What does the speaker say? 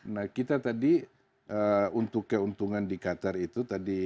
nah kita tadi untuk keuntungan di qatar itu tadi